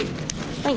はい。